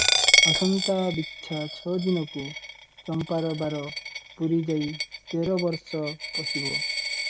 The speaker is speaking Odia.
ଆସନ୍ତା ବିଛା ଛ ଦିନକୁ ଚମ୍ପାର ବାର ପୁରି ଯାଇ ତେର ବର୍ଷ ପଶିବ ।